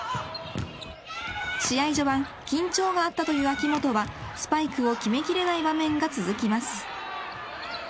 試合序盤緊張があったという秋本はスパイクを決めきれない場面が続きます。